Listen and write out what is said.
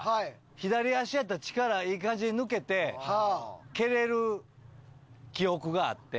左足やったら力いい感じに抜けて蹴れる記憶があって。